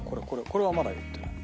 これはまだ言ってない。